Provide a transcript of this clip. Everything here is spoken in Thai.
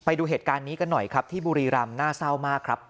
ไปดูเหตุการณ์นี้กันหน่อยครับที่บุรีรำน่าเศร้ามากครับ